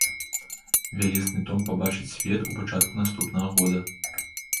Вялізны том пабачыць свет у пачатку наступнага года.